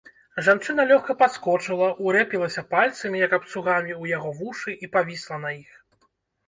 Жанчына лёгка падскочыла, урэпілася пальцамі, як абцугамі, у яго вушы і павісла на іх.